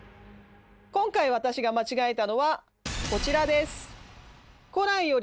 今回私が間違えたのはこちらです。